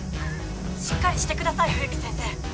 しっかりしてください冬木先生